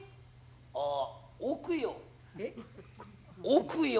ああ奥よ。